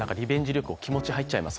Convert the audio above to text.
旅行、気持ちが入っちゃいます。